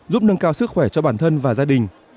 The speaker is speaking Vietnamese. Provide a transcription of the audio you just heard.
giúp nâng cao sức khỏe cho bản thân và gia đình